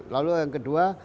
lalu yang kedua